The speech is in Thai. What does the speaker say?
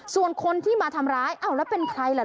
ส่วนคนที่มาทำร้ายอ้าวแล้วเป็นใครล่ะ